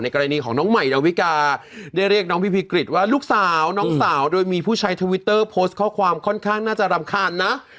กรณีของน้องใหม่ดาวิกาได้เรียกน้องพี่พีกริจว่าลูกสาวน้องสาวโดยมีผู้ใช้ทวิตเตอร์โพสต์ข้อความค่อนข้างน่าจะรำคาญนะ